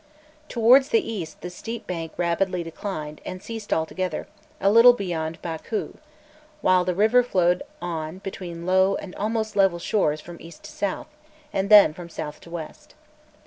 Towards the east the steep bank rapidly declined, and ceased altogether a little beyond Bâkhû, while the river flowed on between low and almost level shores from east to south, and then from south to west.